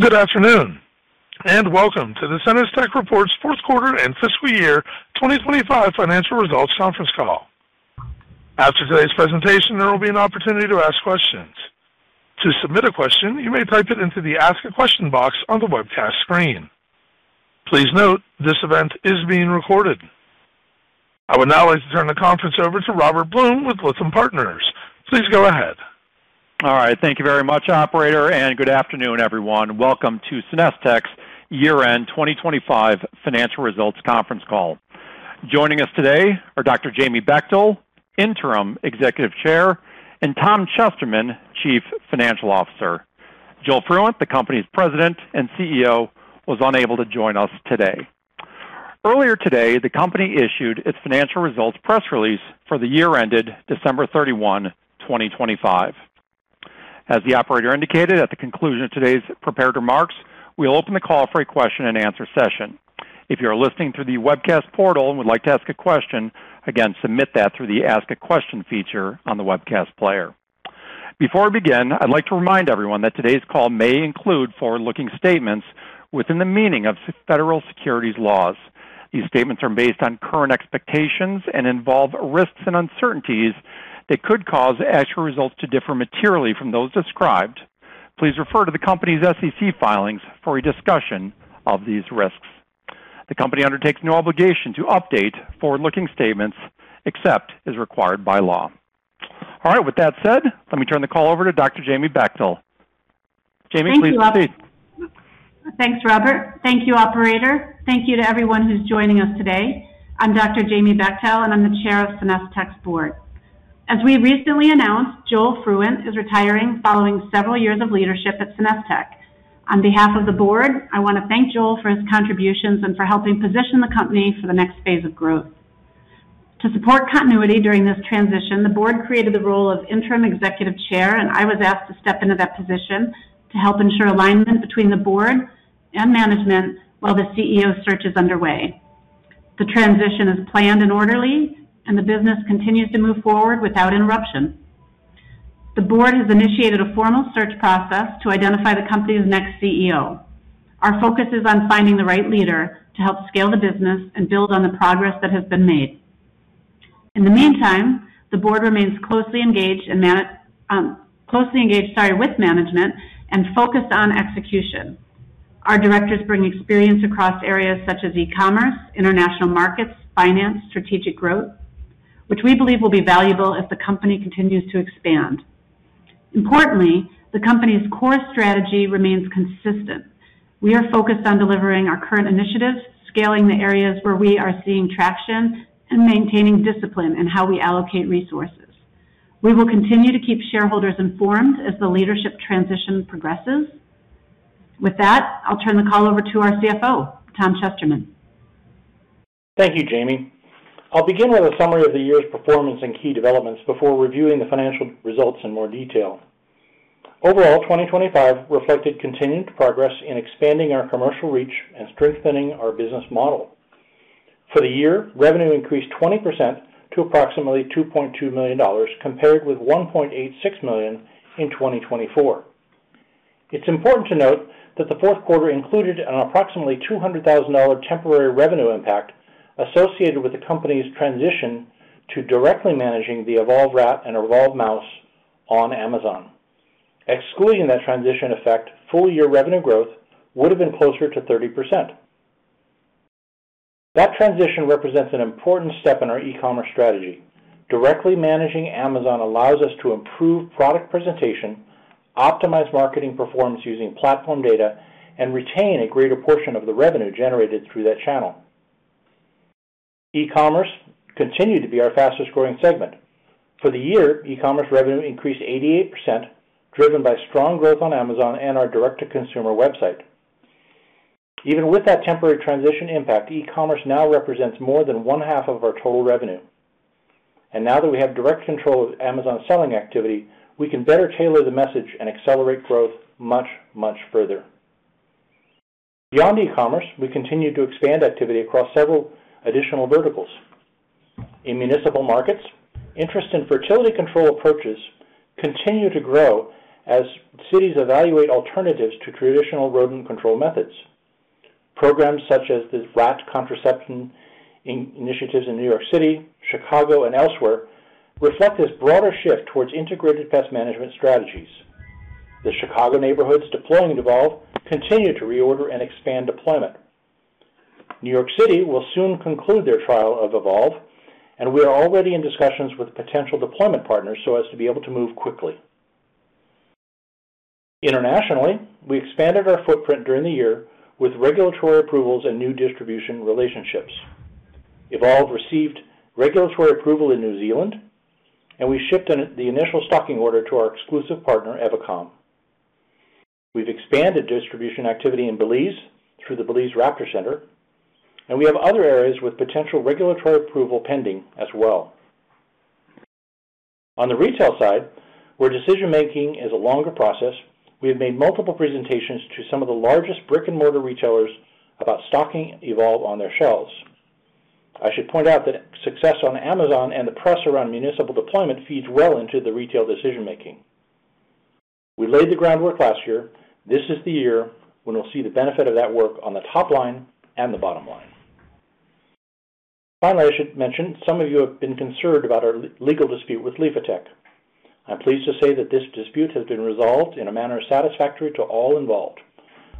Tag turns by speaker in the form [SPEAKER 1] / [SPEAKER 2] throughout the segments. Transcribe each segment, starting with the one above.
[SPEAKER 1] Good afternoon, and welcome to the SenesTech Report's fourth quarter and fiscal year 2025 financial results conference call. After today's presentation, there will be an opportunity to ask questions. To submit a question, you may type it into the Ask a Question box on the webcast screen. Please note, this event is being recorded. I would now like to turn the conference over to Robert Blum with Lytham Partners. Please go ahead.
[SPEAKER 2] All right. Thank you very much, operator, and good afternoon, everyone. Welcome to SenesTech's year-end 2025 financial results conference call. Joining us today are Dr. Jamie Bechtel, Interim Executive Chair, and Tom Chesterman, Chief Financial Officer. Joel Fruendt, the company's President and CEO, was unable to join us today. Earlier today, the company issued its financial results press release for the year ended December 31, 2025. As the operator indicated, at the conclusion of today's prepared remarks, we'll open the call for a question-and-answer session. If you're listening through the webcast portal and would like to ask a question, again, submit that through the Ask a Question feature on the webcast player. Before we begin, I'd like to remind everyone that today's call may include forward-looking statements within the meaning of federal securities laws. These statements are based on current expectations and involve risks and uncertainties that could cause actual results to differ materially from those described. Please refer to the company's SEC filings for a discussion of these risks. The company undertakes no obligation to update forward-looking statements except as required by law. All right. With that said, let me turn the call over to Dr. Jamie Bechtel. Jamie, please proceed.
[SPEAKER 3] Thanks, Robert. Thank you, operator. Thank you to everyone who's joining us today. I'm Dr. Jamie Bechtel, and I'm the Chair of SenesTech's board. As we recently announced, Joel Fruendt is retiring following several years of leadership at SenesTech. On behalf of the board, I want to thank Joel for his contributions and for helping position the company for the next phase of growth. To support continuity during this transition, the board created the role of interim executive chair, and I was asked to step into that position to help ensure alignment between the board and management while the CEO search is underway. The transition is planned and orderly, and the business continues to move forward without interruption. The board has initiated a formal search process to identify the company's next CEO. Our focus is on finding the right leader to help scale the business and build on the progress that has been made. In the meantime, the board remains closely engaged with management and focused on execution. Our directors bring experience across areas such as e-commerce, international markets, finance, strategic growth, which we believe will be valuable as the company continues to expand. Importantly, the company's core strategy remains consistent. We are focused on delivering our current initiatives, scaling the areas where we are seeing traction, and maintaining discipline in how we allocate resources. We will continue to keep shareholders informed as the leadership transition progresses. With that, I'll turn the call over to our CFO, Tom Chesterman.
[SPEAKER 4] Thank you, Jamie. I'll begin with a summary of the year's performance and key developments before reviewing the financial results in more detail. Overall, 2025 reflected continued progress in expanding our commercial reach and strengthening our business model. For the year, revenue increased 20% to approximately $2.2 million, compared with 1.86 million in 2024. It's important to note that the fourth quarter included an approximately $200,000 temporary revenue impact associated with the company's transition to directly managing the Evolve Rat and Evolve Mouse on Amazon. Excluding that transition effect, full-year revenue growth would have been closer to 30%. That transition represents an important step in our e-commerce strategy. Directly managing Amazon allows us to improve product presentation, optimize marketing performance using platform data, and retain a greater portion of the revenue generated through that channel. E-commerce continued to be our fastest-growing segment. For the year, e-commerce revenue increased 88%, driven by strong growth on Amazon and our direct-to-consumer website. Even with that temporary transition impact, e-commerce now represents more than one-half of our total revenue. Now that we have direct control of Amazon's selling activity, we can better tailor the message and accelerate growth much, much further. Beyond e-commerce, we continue to expand activity across several additional verticals. In municipal markets, interest in fertility control approaches continue to grow as cities evaluate alternatives to traditional rodent control methods. Programs such as the rat contraception initiatives in New York City, Chicago, and elsewhere reflect this broader shift towards integrated pest management strategies. The Chicago neighborhoods deploying Evolve continue to reorder and expand deployment. New York City will soon conclude their trial of Evolve, and we are already in discussions with potential deployment partners so as to be able to move quickly. Internationally, we expanded our footprint during the year with regulatory approvals and new distribution relationships. Evolve received regulatory approval in New Zealand, and we shipped the initial stocking order to our exclusive partner, Evicom. We've expanded distribution activity in Belize through the Belize Raptor Center, and we have other areas with potential regulatory approval pending as well. On the retail side, where decision-making is a longer process, we have made multiple presentations to some of the largest brick-and-mortar retailers about stocking Evolve on their shelves. I should point out that success on Amazon and the press around municipal deployment feeds well into the retail decision-making. We laid the groundwork last year. This is the year when we'll see the benefit of that work on the top line and the bottom line. Finally, I should mention, some of you have been concerned about our legal dispute with Liphatech. I'm pleased to say that this dispute has been resolved in a manner satisfactory to all involved.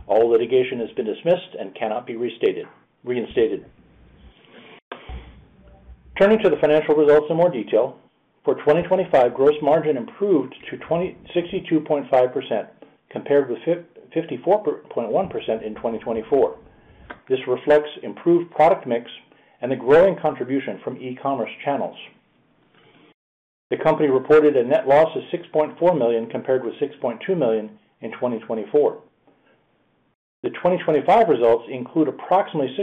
[SPEAKER 4] All litigation has been dismissed and cannot be reinstated. Turning to the financial results in more detail, for 2025, gross margin improved to 62.5% compared with 54.1% in 2024. This reflects improved product mix and the growing contribution from e-commerce channels. The company reported a net loss of 6.4 million compared with 6.2 million in 2024. The 2025 results include approximatel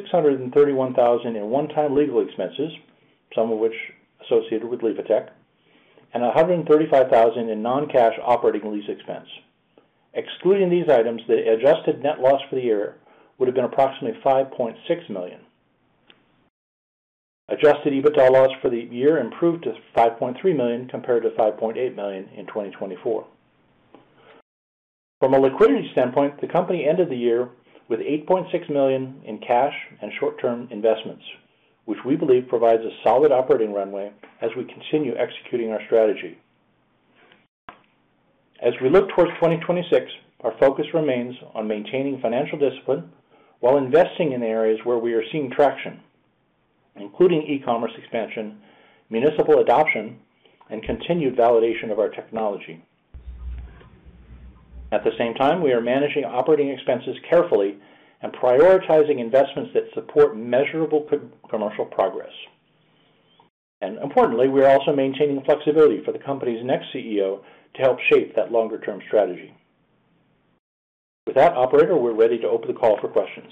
[SPEAKER 4] $631,000 in one-time legal expenses, some of which associated with Liphatech, and 135,000 in non-cash operating lease expense. Excluding these items, the adjusted net loss for the year would have been approximately 5.6 million. Adjusted EBITDA loss for the year improved to 5.3 million compared to 5.8 million in 2024. From a liquidity standpoint, the company ended the year with 8.6 million in cash and short-term investments, which we believe provides a solid operating runway as we continue executing our strategy. As we look towards 2026, our focus remains on maintaining financial discipline while investing in areas where we are seeing traction, including e-commerce expansion, municipal adoption, and continued validation of our technology. At the same time, we are managing operating expenses carefully and prioritizing investments that support measurable co-commercial progress. Importantly, we are also maintaining flexibility for the company's next CEO to help shape that longer-term strategy. With that, operator, we're ready to open the call for questions.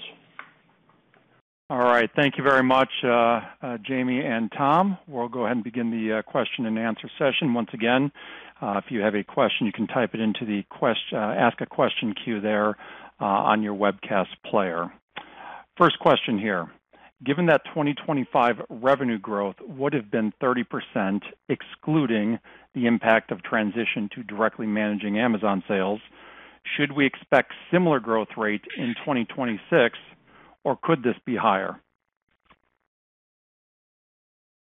[SPEAKER 2] All right. Thank you very much, Jamie and Tom. We'll go ahead and begin the question and answer session. Once again, if you have a question, you can type it into the ask a question queue there on your webcast player. First question here: Given that 2025 revenue growth would have been 30% excluding the impact of transition to directly managing Amazon sales, should we expect similar growth rate in 2026, or could this be higher?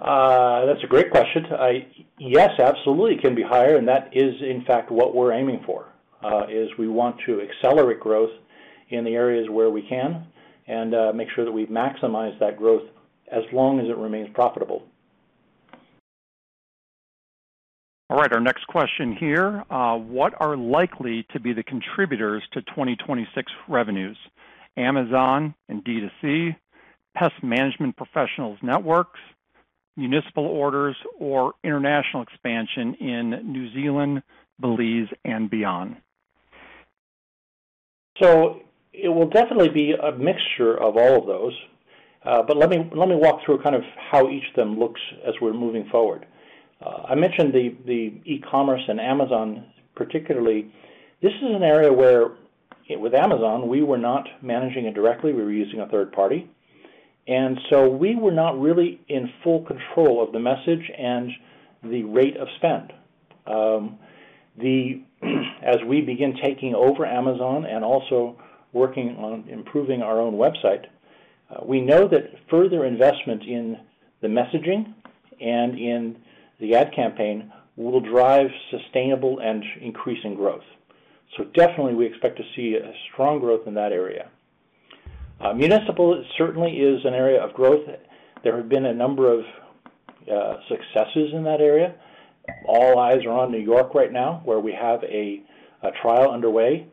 [SPEAKER 4] That's a great question. Yes, absolutely, it can be higher, and that is in fact what we're aiming for, is we want to accelerate growth in the areas where we can and, make sure that we maximize that growth as long as it remains profitable.
[SPEAKER 2] All right, our next question here. What are likely to be the contributors to 2026 revenues? Amazon and D2C, pest management professionals networks, municipal orders, or international expansion in New Zealand, Belize, and beyond?
[SPEAKER 4] It will definitely be a mixture of all of those. Let me walk through kind of how each of them looks as we're moving forward. I mentioned the e-commerce and Amazon particularly. This is an area where with Amazon, we were not managing it directly, we were using a third party. We were not really in full control of the message and the rate of spend. As we begin taking over Amazon and also working on improving our own website, we know that further investment in the messaging and in the ad campaign will drive sustainable and increasing growth. Definitely, we expect to see a strong growth in that area. Municipal certainly is an area of growth. There have been a number of successes in that area. All eyes are on New York right now, where we have a trial underway.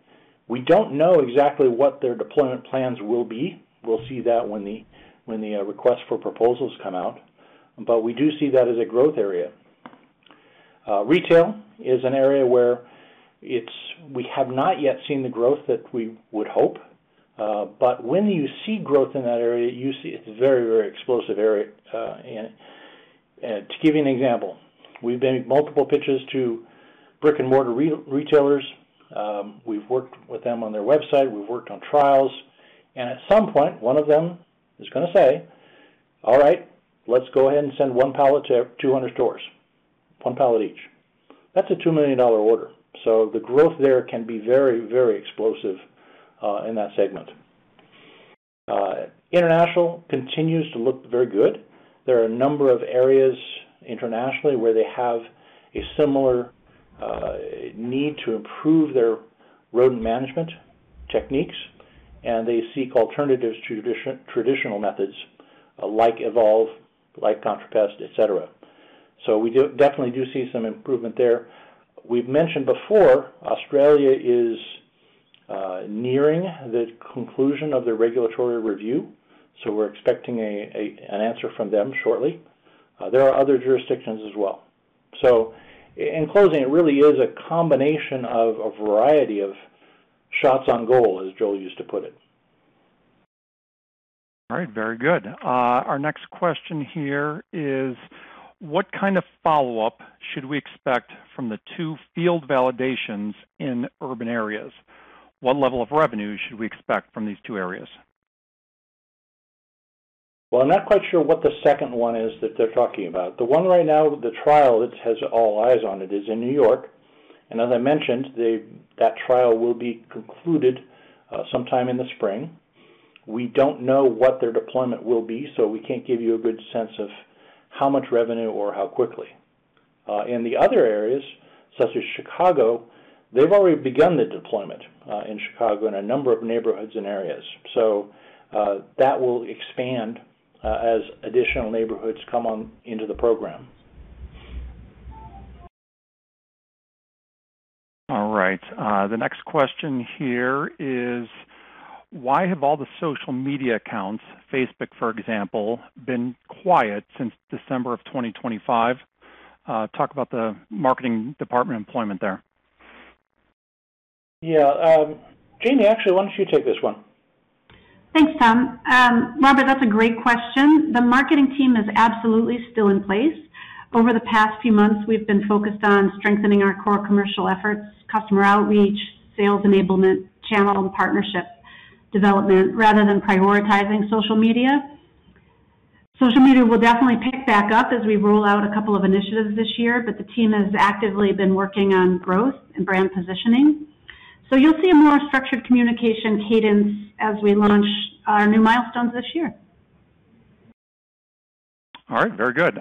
[SPEAKER 4] We don't know exactly what their deployment plans will be. We'll see that when the request for proposals come out. We do see that as a growth area. Retail is an area where we have not yet seen the growth that we would hope. When you see growth in that area, you see it's a very, very explosive area. To give you an example, we've made multiple pitches to brick-and-mortar retailers. We've worked with them on their website, we've worked on trials, and at some point, one of them is gonna say, "All right. Let's go ahead and send 1 pallet to 200 stores, 1 pallet each." That's a $2 million order. The growth there can be very, very explosive in that segment. International continues to look very good. There are a number of areas internationally where they have a similar need to improve their rodent management techniques, and they seek alternatives to traditional methods like Evolve, like ContraPest, et cetera. We definitely do see some improvement there. We've mentioned before, Australia is nearing the conclusion of their regulatory review, so we're expecting an answer from them shortly. There are other jurisdictions as well. In closing, it really is a combination of a variety of shots on goal, as Joel used to put it.
[SPEAKER 2] All right. Very good. Our next question here is. What kind of follow-up should we expect from the two field validations in urban areas? What level of revenue should we expect from these two areas?
[SPEAKER 4] Well, I'm not quite sure what the second one is that they're talking about. The one right now, the trial that has all eyes on it is in New York. As I mentioned, that trial will be concluded sometime in the spring. We don't know what their deployment will be, so we can't give you a good sense of how much revenue or how quickly. In the other areas, such as Chicago, they've already begun the deployment in Chicago in a number of neighborhoods and areas. That will expand as additional neighborhoods come on into the program.
[SPEAKER 2] All right. The next question here is: why have all the social media accounts, Facebook, for example, been quiet since December of 2025? Talk about the marketing department employment there.
[SPEAKER 4] Yeah, actually, Jamie, why don't you take this one?
[SPEAKER 3] Thanks, Tom. Robert, that's a great question. The marketing team is absolutely still in place. Over the past few months, we've been focused on strengthening our core commercial efforts, customer outreach, sales enablement, channel and partnership development, rather than prioritizing social media. Social media will definitely pick back up as we roll out a couple of initiatives this year, but the team has actively been working on growth and brand positioning. You'll see a more structured communication cadence as we launch our new milestones this year.
[SPEAKER 2] All right. Very good.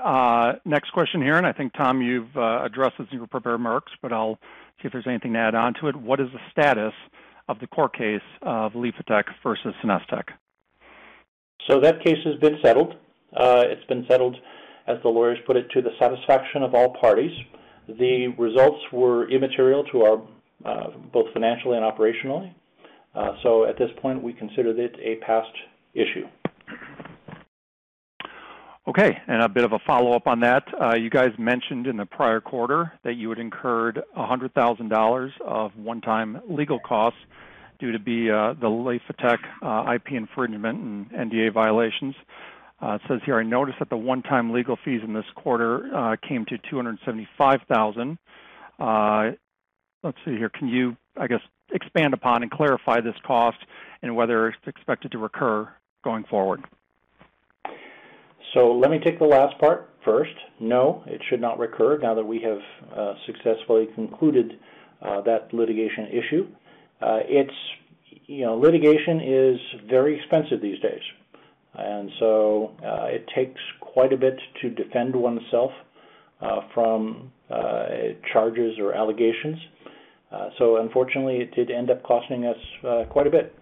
[SPEAKER 2] Next question here, and I think, Tom, you've addressed this in your prepared remarks, but I'll see if there's anything to add on to it. What is the status of the court case of Liphatech versus SenesTech?
[SPEAKER 4] That case has been settled. It's been settled, as the lawyers put it, to the satisfaction of all parties. The results were immaterial to our both financially and operationally. At this point, we consider it a past issue.
[SPEAKER 2] Okay, a bit of a follow-up on that. You guys mentioned in the prior quarter that you had incurred $100,000 of one-time legal costs due to the Liphatech IP infringement and NDA violations. It says here, "I noticed that the one-time legal fees in this quarter came to 275,000." Let's see here. Can you, I guess, expand upon and clarify this cost and whether it's expected to recur going forward?
[SPEAKER 4] Let me take the last part first. No, it should not recur now that we have successfully concluded that litigation issue. It's you know, litigation is very expensive these days, and so it takes quite a bit to defend oneself from charges or allegations. Unfortunately, it did end up costing us quite a bit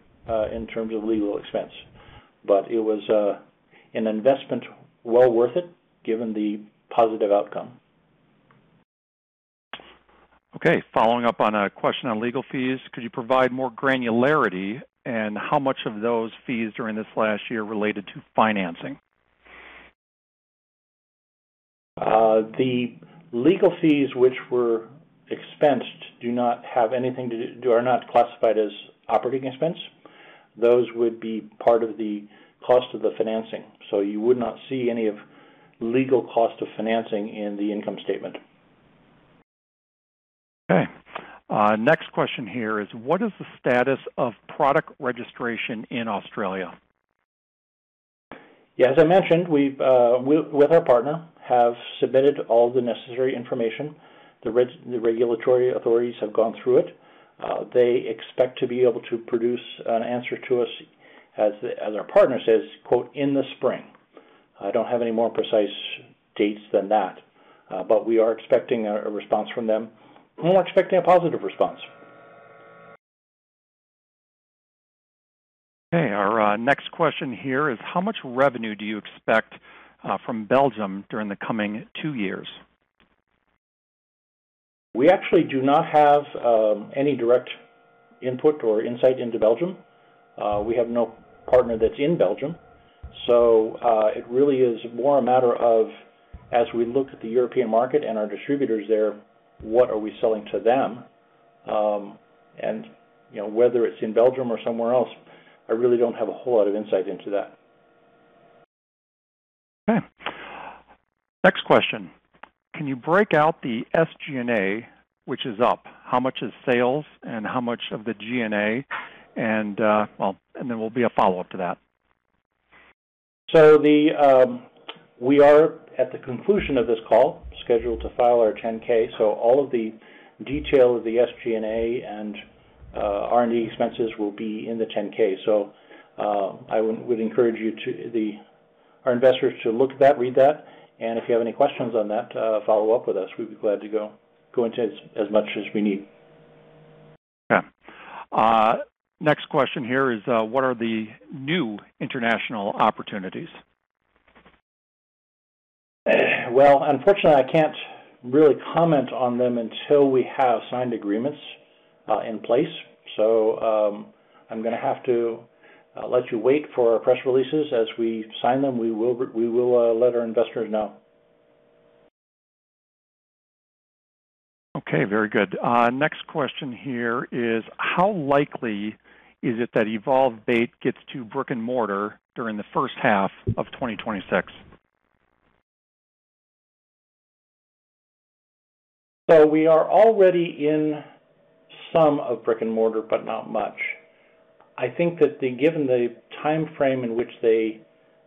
[SPEAKER 4] in terms of legal expense. It was an investment well worth it, given the positive outcome.
[SPEAKER 2] Okay. Following up on a question on legal fees, could you provide more granularity and how much of those fees during this last year related to financing?
[SPEAKER 4] The legal fees which were expensed are not classified as operating expense. Those would be part of the cost of the financing. You would not see any legal cost of financing in the income statement.
[SPEAKER 2] Okay. Next question here is: what is the status of product registration in Australia?
[SPEAKER 4] Yeah. As I mentioned, we've with our partner have submitted all the necessary information. The regulatory authorities have gone through it. They expect to be able to produce an answer to us as our partner says, quote, "In the spring." I don't have any more precise dates than that, but we are expecting a response from them, and we're expecting a positive response.
[SPEAKER 2] Okay. Our next question here is how much revenue do you expect from Belize during the coming two years?
[SPEAKER 4] We actually do not have any direct input or insight into Belize. We have no partner that's in Belize, so it really is more a matter of, as we look at the European market and our distributors there, what are we selling to them? You know, whether it's in Belize or somewhere else, I really don't have a whole lot of insight into that.
[SPEAKER 2] Okay. Next question: Can you break out the SG&A, which is up? How much is sales, and how much of the G&A? Well, and there will be a follow-up to that.
[SPEAKER 4] We are at the conclusion of this call scheduled to file our 10-K. All of the detail of the SG&A and R&D expenses will be in the 10-K. I would encourage our investors to look at that, read that, and if you have any questions on that, follow up with us. We'd be glad to go into as much as we need.
[SPEAKER 2] Okay. Next question here is: what are the new international opportunities?
[SPEAKER 4] Well, unfortunately, I can't really comment on them until we have signed agreements in place. I'm gonna have to let you wait for our press releases. As we sign them, we will let our investors know.
[SPEAKER 2] Okay, very good. Next question here is: how likely is it that Evolve bait gets to brick-and-mortar during the first half of 2026?
[SPEAKER 4] We are already in some of brick-and-mortar, but not much. I think that given the timeframe in which they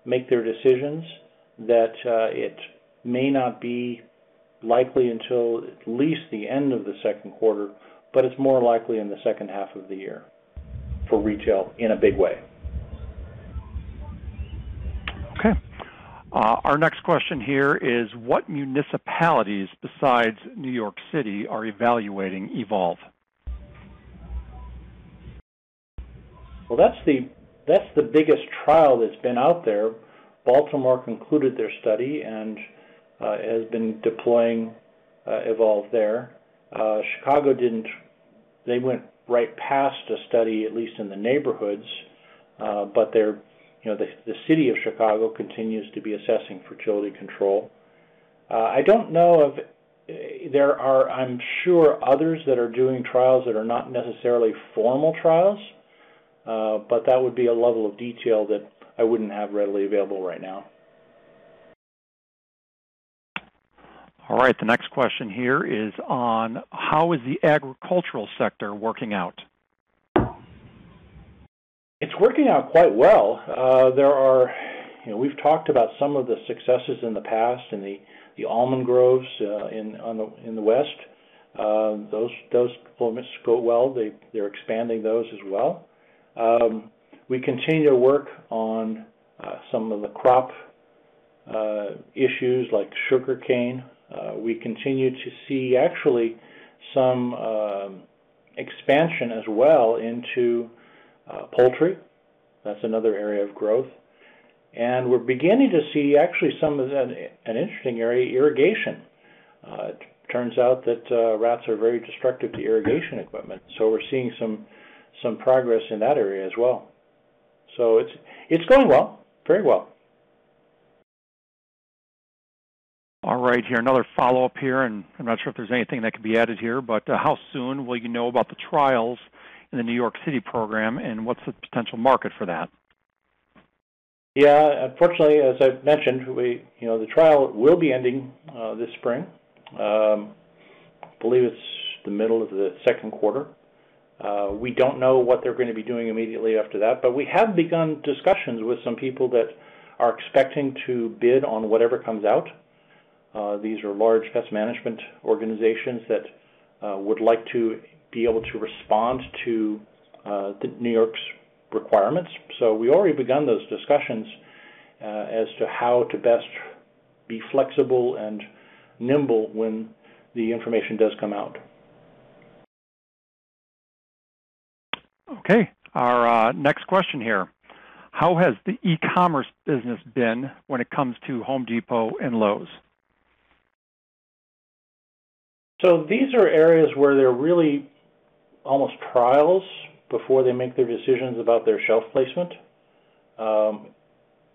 [SPEAKER 4] make their decisions, that it may not be likely until at least the end of the second quarter, but it's more likely in the second half of the year for retail in a big way.
[SPEAKER 2] Okay. Our next question here is: what municipalities besides New York City are evaluating Evolve?
[SPEAKER 4] Well, that's the biggest trial that's been out there. Baltimore concluded their study and has been deploying Evolve there. Chicago didn't. They went right past a study, at least in the neighborhoods. You know, the city of Chicago continues to be assessing fertility control. There are, I'm sure, others that are doing trials that are not necessarily formal trials, but that would be a level of detail that I wouldn't have readily available right now.
[SPEAKER 2] All right, the next question here is on how is the agricultural sector working out?
[SPEAKER 4] It's working out quite well. You know, we've talked about some of the successes in the past in the almond groves in the West. Those performances go well. They're expanding those as well. We continue to work on some of the crop issues like sugarcane. We continue to see actually some expansion as well into poultry. That's another area of growth. We're beginning to see actually some of an interesting area, irrigation. It turns out that rats are very destructive to irrigation equipment, so we're seeing some progress in that area as well. It's going well, very well.
[SPEAKER 2] All right, here another follow-up here, and I'm not sure if there's anything that can be added here, but how soon will you know about the trials in the New York City program, and what's the potential market for that?
[SPEAKER 4] Yeah. Unfortunately, as I've mentioned, you know, the trial will be ending this spring. Believe it's the middle of the second quarter. We don't know what they're gonna be doing immediately after that, but we have begun discussions with some people that are expecting to bid on whatever comes out. These are large pest management organizations that would like to be able to respond to New York's requirements. We already begun those discussions as to how to best be flexible and nimble when the information does come out.
[SPEAKER 2] Okay. Our next question here: how has the e-commerce business been when it comes to Home Depot and Lowe's?
[SPEAKER 4] These are areas where they're really almost trials before they make their decisions about their shelf placement.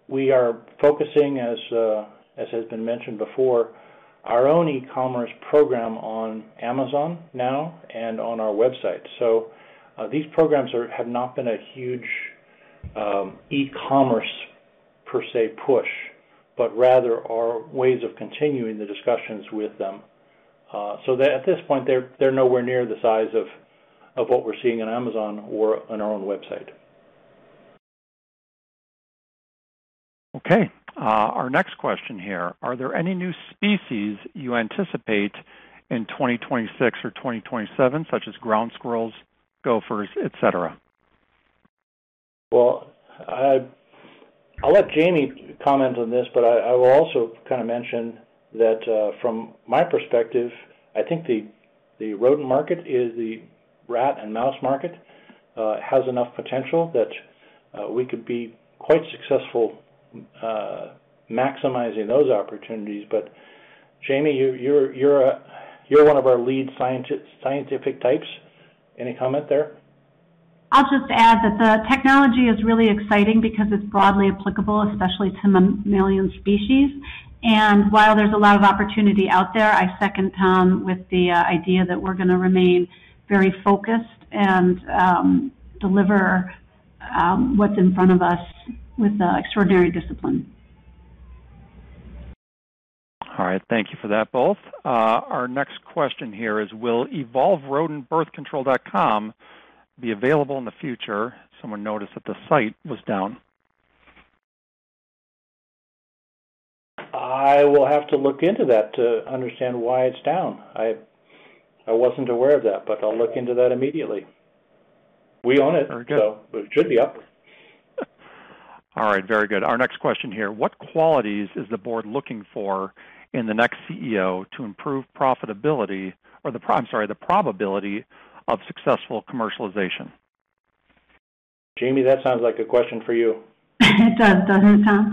[SPEAKER 4] We are focusing as has been mentioned before, our own e-commerce program on Amazon now and on our website. These programs have not been a huge e-commerce per se push, but rather are ways of continuing the discussions with them. At this point, they're nowhere near the size of what we're seeing on Amazon or on our own website.
[SPEAKER 2] Okay. Our next question here: are there any new species you anticipate in 2026 or 2027, such as ground squirrels, gophers, et cetera?
[SPEAKER 4] Well, I'll let Jamie comment on this, but I will also kinda mention that from my perspective, I think the rodent market is the rat and mouse market. It has enough potential that we could be quite successful maximizing those opportunities. Jamie, you're one of our lead scientific types. Any comment there?
[SPEAKER 3] I'll just add that the technology is really exciting because it's broadly applicable, especially to mammalian species. While there's a lot of opportunity out there, I second Tom with the idea that we're gonna remain very focused and deliver what's in front of us with extraordinary discipline.
[SPEAKER 2] All right. Thank you for that, both. Our next question here is: Will evolverodentbirthcontrol.com be available in the future? Someone noticed that the site was down.
[SPEAKER 4] I will have to look into that to understand why it's down. I wasn't aware of that, but I'll look into that immediately. We own it.
[SPEAKER 2] Very good.
[SPEAKER 4] it should be up.
[SPEAKER 2] All right, very good. Our next question here: what qualities is the board looking for in the next CEO to improve profitability or the probability of successful commercialization?
[SPEAKER 4] Jamie, that sounds like a question for you.
[SPEAKER 3] It does, doesn't it, Tom?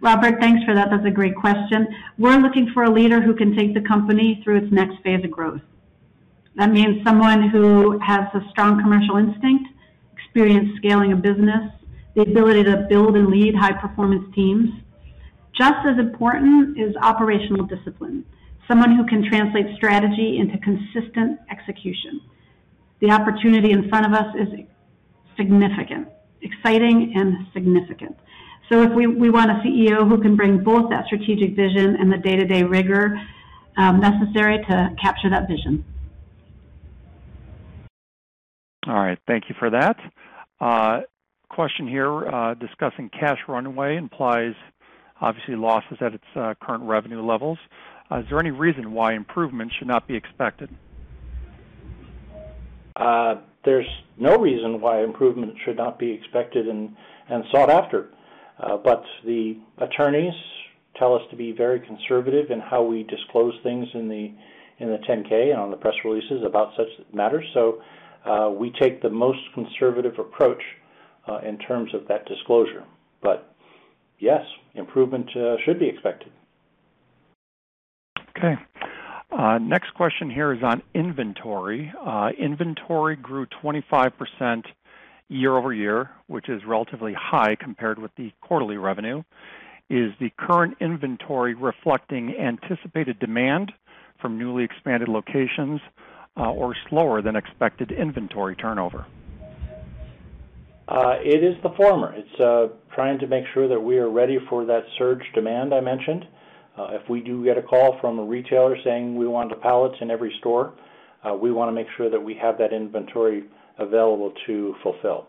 [SPEAKER 3] Robert, thanks for that. That's a great question. We're looking for a leader who can take the company through its next phase of growth. That means someone who has a strong commercial instinct, experience scaling a business, the ability to build and lead high-performance teams. Just as important is operational discipline, someone who can translate strategy into consistent execution. The opportunity in front of us is significant, exciting, and significant. If we want a CEO who can bring both that strategic vision and the day-to-day rigor necessary to capture that vision.
[SPEAKER 2] All right. Thank you for that. Question here, discussing cash runway implies obviously losses at its current revenue levels. Is there any reason why improvement should not be expected?
[SPEAKER 4] There's no reason why improvement should not be expected and sought after. The attorneys tell us to be very conservative in how we disclose things in the 10-K and on the press releases about such matters. We take the most conservative approach in terms of that disclosure. Yes, improvement should be expected.
[SPEAKER 2] Okay. Next question here is on inventory. Inventory grew 25% year-over-year, which is relatively high compared with the quarterly revenue. Is the current inventory reflecting anticipated demand from newly expanded locations, or slower than expected inventory turnover?
[SPEAKER 4] It is the former. It's trying to make sure that we are ready for that surge demand I mentioned. If we do get a call from a retailer saying, "We want the pallets in every store," we wanna make sure that we have that inventory available to fulfill.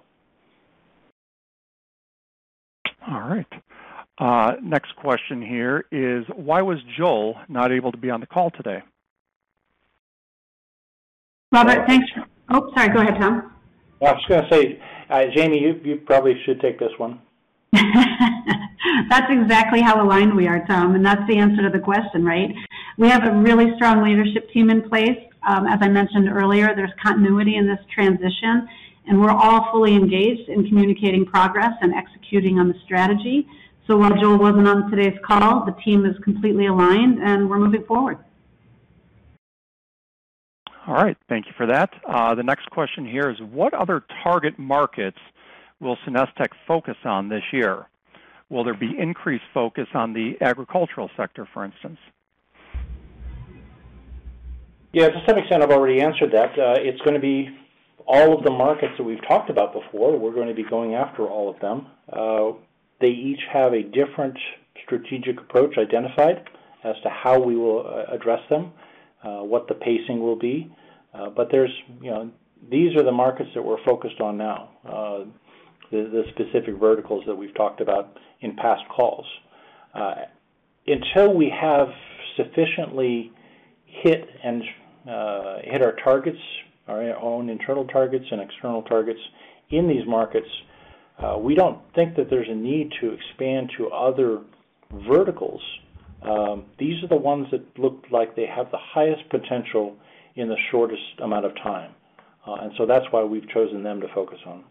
[SPEAKER 2] All right. Next question here is, why was Joel not able to be on the call today?
[SPEAKER 3] Robert, thanks. Oh, sorry, go ahead, Tom.
[SPEAKER 4] I was just gonna say, Jamie, you probably should take this one.
[SPEAKER 3] That's exactly how aligned we are, Tom, and that's the answer to the question, right? We have a really strong leadership team in place. As I mentioned earlier, there's continuity in this transition, and we're all fully engaged in communicating progress and executing on the strategy. While Joel wasn't on today's call, the team is completely aligned, and we're moving forward.
[SPEAKER 2] All right. Thank you for that. The next question here is, what other target markets will SenesTech focus on this year? Will there be increased focus on the agricultural sector, for instance?
[SPEAKER 4] Yeah, to some extent, I've already answered that. It's gonna be all of the markets that we've talked about before. We're gonna be going after all of them. They each have a different strategic approach identified as to how we will address them, what the pacing will be. These are the markets that we're focused on now, the specific verticals that we've talked about in past calls. Until we have sufficiently hit our targets, our own internal targets and external targets in these markets, we don't think that there's a need to expand to other verticals. These are the ones that look like they have the highest potential in the shortest amount of time. That's why we've chosen them to focus on.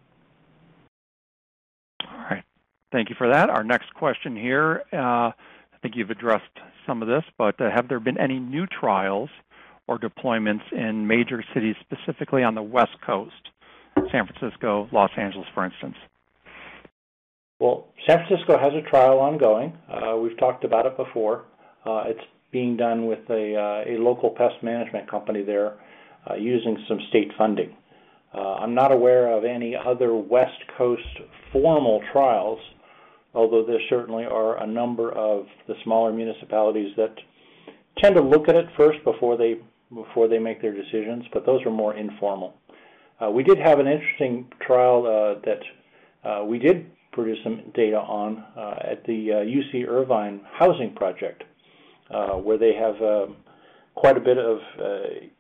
[SPEAKER 2] All right. Thank you for that. Our next question here, I think you've addressed some of this, but have there been any new trials or deployments in major cities, specifically on the West Coast, San Francisco, Los Angeles, for instance?
[SPEAKER 4] Well, San Francisco has a trial ongoing. We've talked about it before. It's being done with a local pest management company there, using some state funding. I'm not aware of any other West Coast formal trials, although there certainly are a number of the smaller municipalities that tend to look at it first before they make their decisions, but those are more informal. We did have an interesting trial that we did produce some data on at the UC Irvine housing project, where they have quite a bit of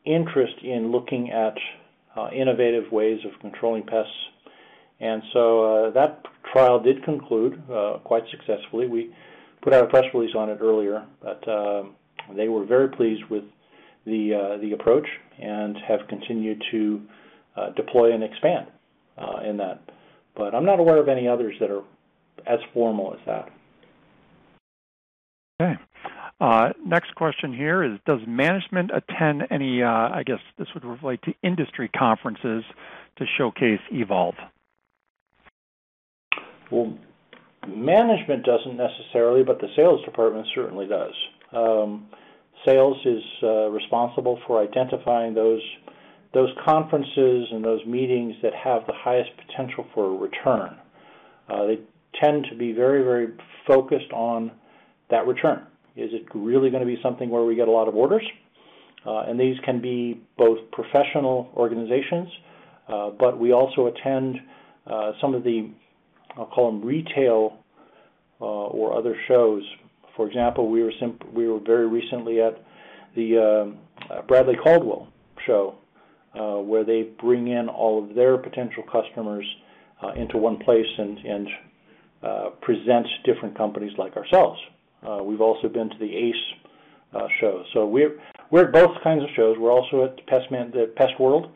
[SPEAKER 4] interest in looking at innovative ways of controlling pests. That trial did conclude quite successfully. We put out a press release on it earlier, but they were very pleased with the approach and have continued to deploy and expand in that. I'm not aware of any others that are as formal as that.
[SPEAKER 2] Okay. Next question here is, does management attend any, I guess this would relate to industry conferences to showcase Evolve?
[SPEAKER 4] Well, management doesn't necessarily, but the sales department certainly does. Sales is responsible for identifying those conferences and those meetings that have the highest potential for a return. They tend to be very focused on that return. Is it really gonna be something where we get a lot of orders? These can be both professional organizations, but we also attend some of the, I'll call them retail, or other shows. For example, we were very recently at the Bradley Caldwell show, where they bring in all of their potential customers into one place and presents different companies like ourselves. We've also been to the Ace show. We're at both kinds of shows. We're also at PestWorld.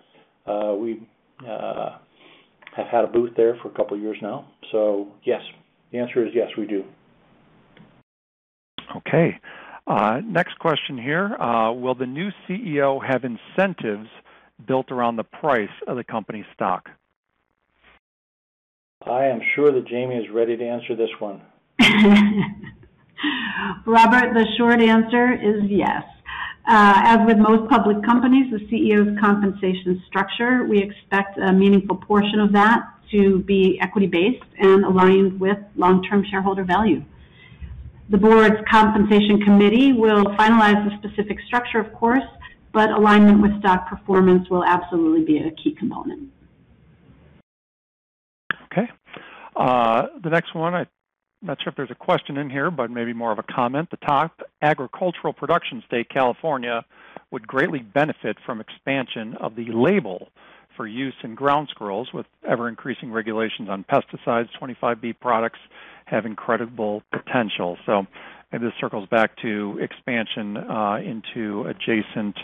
[SPEAKER 4] We have had a booth there for a couple years now. Yes, the answer is yes, we do.
[SPEAKER 2] Okay. Next question here. Will the new CEO have incentives built around the price of the company stock?
[SPEAKER 4] I am sure that Jamie is ready to answer this one.
[SPEAKER 3] Robert, the short answer is yes. As with most public companies, the CEO's compensation structure, we expect a meaningful portion of that to be equity-based and aligned with long-term shareholder value. The board's compensation committee will finalize the specific structure, of course, but alignment with stock performance will absolutely be a key component.
[SPEAKER 2] Okay. The next one, I'm not sure if there's a question in here, but maybe more of a comment. The top agricultural production state, California, would greatly benefit from expansion of the label for use in ground squirrels with ever-increasing regulations on pesticides. 25(b) products have incredible potential. This circles back to expansion into adjacent,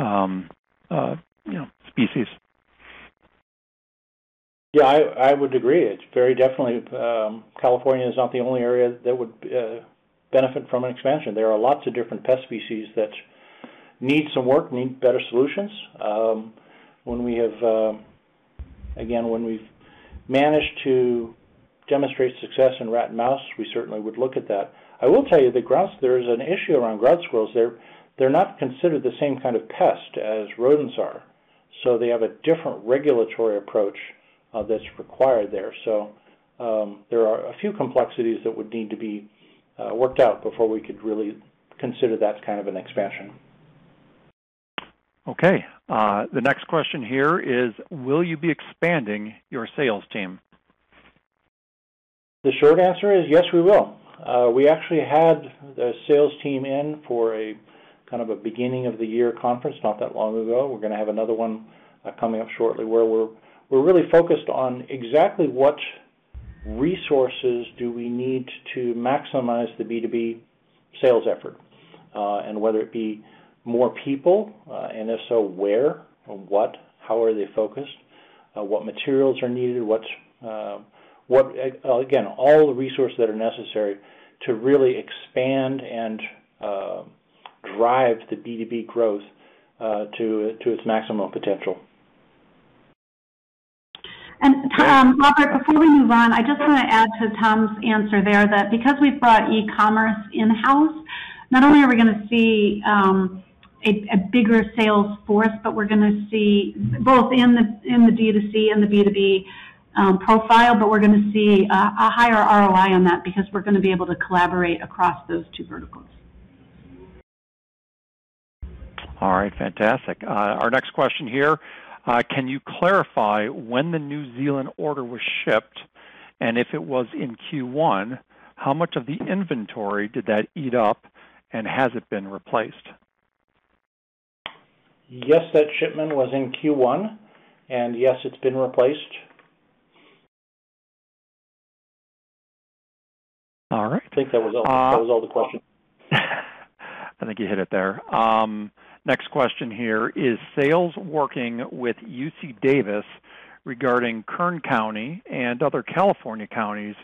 [SPEAKER 2] you know, species.
[SPEAKER 4] Yeah, I would agree. It's very definitely, California is not the only area that would benefit from an expansion. There are lots of different pest species that need some work, need better solutions. When we've managed to demonstrate success in rat and mouse, we certainly would look at that. I will tell you there is an issue around ground squirrels. They're not considered the same kind of pest as rodents are, so they have a different regulatory approach that's required there. There are a few complexities that would need to be worked out before we could really consider that kind of an expansion.
[SPEAKER 2] Okay. The next question here is, will you be expanding your sales team?
[SPEAKER 4] The short answer is yes, we will. We actually had the sales team in for a kind of a beginning of the year conference not that long ago. We're gonna have another one coming up shortly where we're really focused on exactly what resources do we need to maximize the B2B sales effort, and whether it be more people, and if so, where or what, how are they focused, what materials are needed. Again, all the resources that are necessary to really expand and drive the B2B growth to its maximum potential.
[SPEAKER 3] Tom, Robert, before we move on, I just wanna add to Tom's answer there that because we've brought e-commerce in-house, not only are we gonna see a bigger sales force, but we're gonna see both in the D2C and the B2B profile, but we're gonna see a higher ROI on that because we're gonna be able to collaborate across those two verticals.
[SPEAKER 2] All right. Fantastic. Our next question here. Can you clarify when the New Zealand order was shipped, and if it was in Q1, how much of the inventory did that eat up, and has it been replaced?
[SPEAKER 4] Yes, that shipment was in Q1, and yes, it's been replaced.
[SPEAKER 2] All right.
[SPEAKER 4] I think that was all the question.
[SPEAKER 2] I think you hit it there. Next question here, is sales working with UC Davis regarding Kern County and other California counties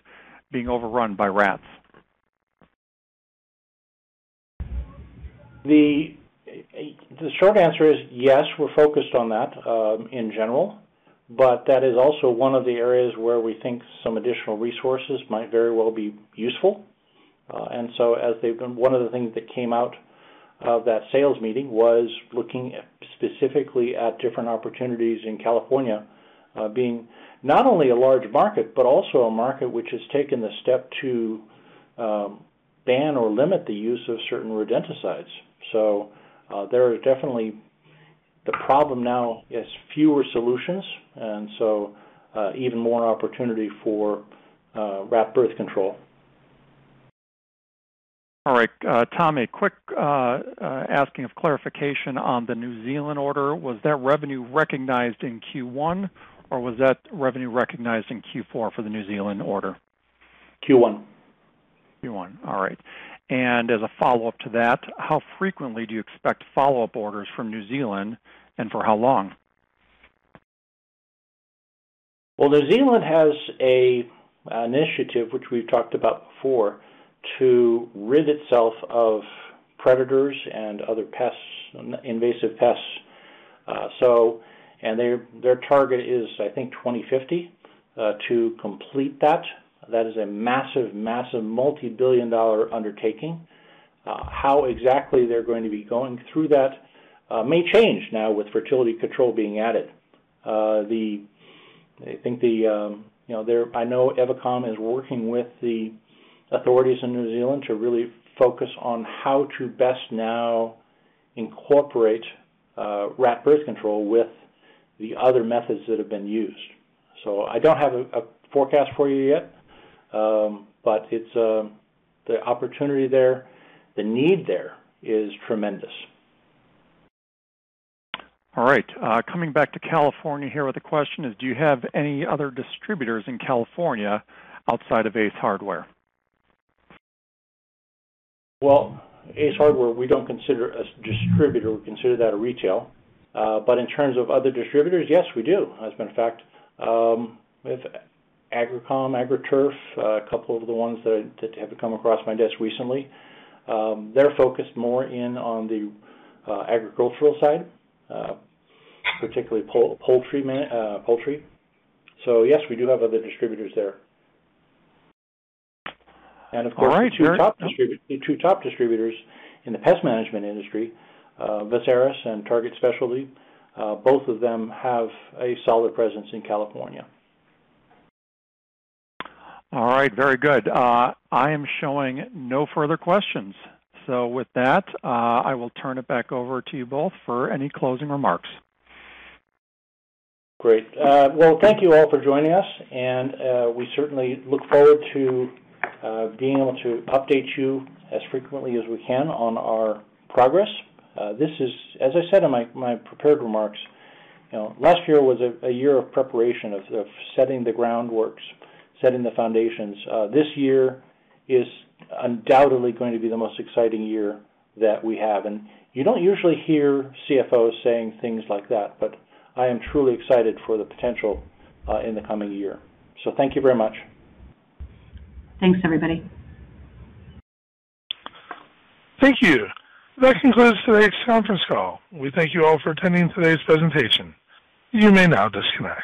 [SPEAKER 2] being overrun by rats?
[SPEAKER 4] The short answer is yes, we're focused on that, in general, but that is also one of the areas where we think some additional resources might very well be useful. One of the things that came out of that sales meeting was looking specifically at different opportunities in California, being not only a large market, but also a market which has taken the step to ban or limit the use of certain rodenticides. There is definitely the problem now is fewer solutions, and so, even more an opportunity for rat birth control.
[SPEAKER 2] All right. Tom, a quick asking of clarification on the New Zealand order. Was that revenue recognized in Q1, or was that revenue recognized in Q4 for the New Zealand order?
[SPEAKER 4] Q1.
[SPEAKER 2] Q1. All right. As a follow-up to that, how frequently do you expect follow-up orders from New Zealand and for how long?
[SPEAKER 4] Well, New Zealand has an initiative which we've talked about before, to rid itself of predators and other pests, invasive pests. Their target is, I think, 2050 to complete that. That is a massive multi-billion dollar undertaking. How exactly they're going to be going through that may change now with fertility control being added. I think, you know, I know Evicom is working with the authorities in New Zealand to really focus on how to best now incorporate rat birth control with the other methods that have been used. I don't have a forecast for you yet, but it's the opportunity there, the need there is tremendous.
[SPEAKER 2] All right. Coming back to California here with a question is, do you have any other distributors in California outside of Ace Hardware?
[SPEAKER 4] Well, Ace Hardware, we don't consider a distributor. We consider that a retail. But in terms of other distributors, yes, we do. As a matter of fact, we have Agricom, Agri-Turf, a couple of the ones that have come across my desk recently. They're focused more in on the agricultural side, particularly poultry. Yes, we do have other distributors there.
[SPEAKER 2] All right.
[SPEAKER 4] Of course, the two top distributors in the pest management industry, Veseris and Target Specialty Products, both of them have a solid presence in California.
[SPEAKER 2] All right. Very good. I am showing no further questions. With that, I will turn it back over to you both for any closing remarks.
[SPEAKER 4] Great. Well, thank you all for joining us, and we certainly look forward to being able to update you as frequently as we can on our progress. This is, as I said in my prepared remarks, you know, last year was a year of preparation, of setting the groundworks, setting the foundations. This year is undoubtedly going to be the most exciting year that we have. You don't usually hear CFOs saying things like that, but I am truly excited for the potential in the coming year. Thank you very much.
[SPEAKER 3] Thanks, everybody.
[SPEAKER 1] Thank you. That concludes today's conference call. We thank you all for attending today's presentation. You may now disconnect.